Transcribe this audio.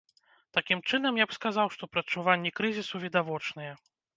Такім чынам, я б сказаў, што прадчуванні крызісу відавочныя.